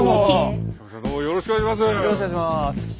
よろしくお願いします。